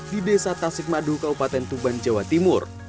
di desa tasik madu kabupaten tuban jawa timur